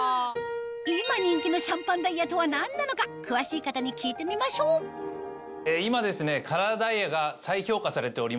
今人気のシャンパンダイヤとは何なのか詳しい方に聞いてみましょうして来ております。